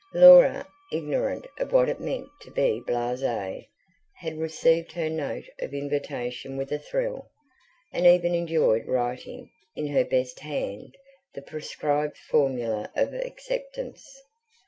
Laura, ignorant of what it meant to be blasee, had received her note of invitation with a thrill, had even enjoyed writing, in her best hand, the prescribed formula of acceptance.